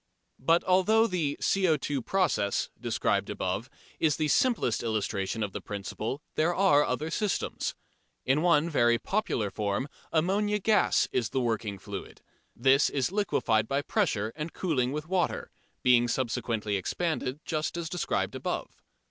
But although the "CO_ process" described above is the simplest illustration of the principle, there are other systems. In one very popular form ammonia gas is the "working fluid." This is liquefied by pressure and cooling with water, being subsequently expanded just as described above.